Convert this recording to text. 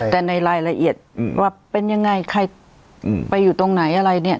แต่ในรายละเอียดว่าเป็นยังไงใครไปอยู่ตรงไหนอะไรเนี่ย